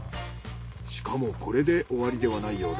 しかもこれで終わりではないようで。